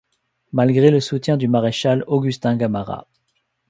Malgré le soutien du maréchal Agustin Gamarra.